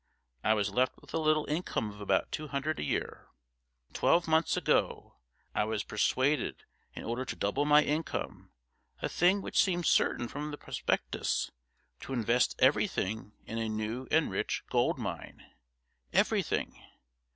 I was left with a little income of about two hundred a year. Twelve months ago I was persuaded in order to double my income a thing which seemed certain from the prospectus to invest everything in a new and rich gold mine. Everything.